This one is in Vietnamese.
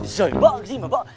giời vợ cái gì mà vợ